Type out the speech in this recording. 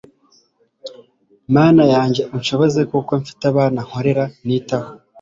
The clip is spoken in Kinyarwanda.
mana yanjye unshoboze kuko mfite abana nkorera nitaho